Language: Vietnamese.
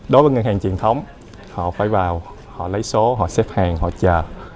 đối với ngân hàng truyền thống họ phải vào họ lấy số họ xếp hàng họ chờ